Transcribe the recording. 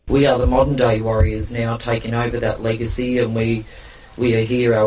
kita adalah warga modern yang telah mengambil kebenaran itu dan kita berada di sini